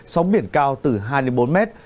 sóng biển cao từ hai đến bốn mét